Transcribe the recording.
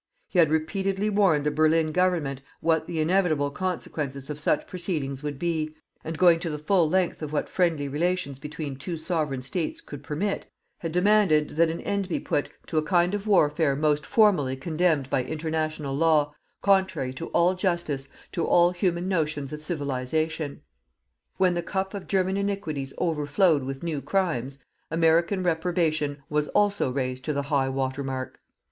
He had repeatedly warned the Berlin Government what the inevitable consequences of such proceedings would be, and going to the full length of what friendly relations between two Sovereign States could permit, had demanded that an end be put to a kind of warfare most formally condemned by International Law, contrary to all justice, to all human notions of civilization. When the cup of German iniquities overflowed with new crimes, American reprobation was also raised to the high water mark.